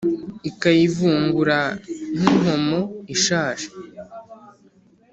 ikayivungura nk’inkomo ishaje